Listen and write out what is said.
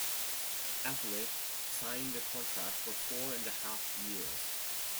Afellay signed a contract for four-and-a-half years.